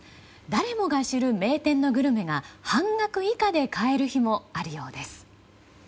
誰もが知る名店のグルメが半額以下で買える日もあるようです。